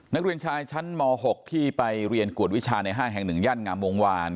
นักเรียนชายชั้นม๖ที่ไปเรียนกวดวิชาในห้างแห่ง๑ย่านงามวงวาน